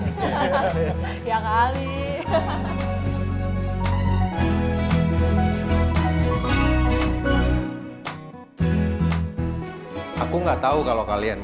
kayak harusnya harus penting untuk ibu diligence